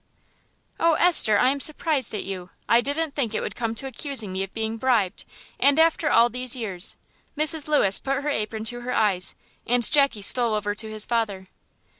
"Oh, Esther, I am surprised at you: I didn't think it would come to accusing me of being bribed, and after all these years." Mrs. Lewis put her apron to her eyes, and Jackie stole over to his father.